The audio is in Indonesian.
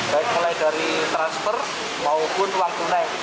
baik mulai dari transfer maupun uang tunai